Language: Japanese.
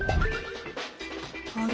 あれ？